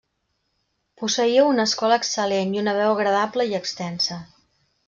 Posseïa una escola excel·lent i una veu agradable i extensa.